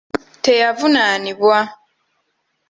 Teyavunaanibwa.